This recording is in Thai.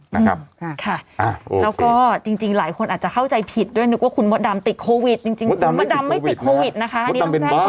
แล้วก็จริงหลายคนอาจจะเข้าใจผิดด้วยนึกว่าคุณมดดำติดโควิดจริงคุณมดดำไม่ติดโควิดนะคะอันนี้ต้องแจ้งความ